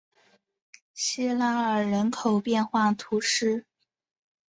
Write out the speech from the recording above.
西拉尔人口变化图示